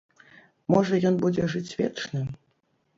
Можа, ён будзе жыць вечна?